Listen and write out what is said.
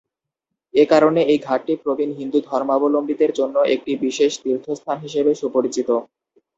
একারণে এই ঘাটটি প্রবীন হিন্দু ধর্মাবলম্বীদের জন্য একটি বিশেষ তীর্থস্থান হিসেবে সুপরিচিত।